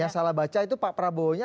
yang salah baca itu pak prabowo nya